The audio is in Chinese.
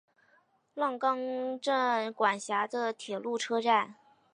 浪冈站管辖的铁路车站。